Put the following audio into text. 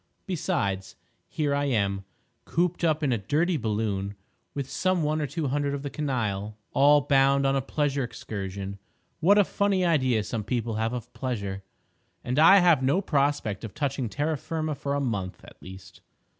Besides, here I am, cooped up in a dirty balloon, with some one or two hundred of the canaille, all bound on a pleasure excursion, (what a funny idea some people have of pleasure!) and I have no prospect of touching terra firma for a month at least.